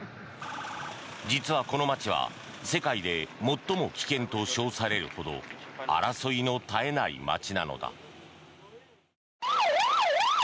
実はこの街は世界で最も危険と称されるほど争いの絶えない街なのだ。